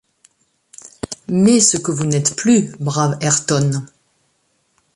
Mais ce que vous n’êtes plus, brave Ayrton!